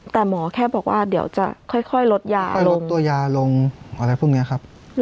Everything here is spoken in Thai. แต่หมอแค่บอกว่าเดี๋ยวจะค่อยลดยาลดตัวยาลงอะไรพวกนี้ครับ